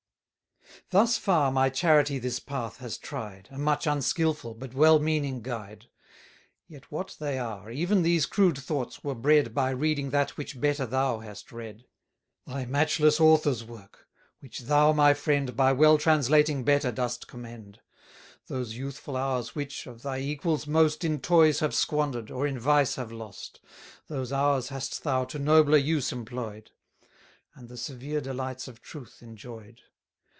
Thus far my charity this path has tried, (A much unskilful, but well meaning guide:) Yet what they are, even these crude thoughts were bred By reading that which better thou hast read, Thy matchless author's work: which thou, my friend, By well translating better dost commend; Those youthful hours which, of thy equals most 230 In toys have squander'd, or in vice have lost, Those hours hast thou to nobler use employ'd; And the severe delights of truth enjoy'd.